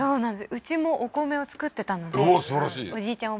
うちもお米を作ってたのでおおすばらしいおじいちゃん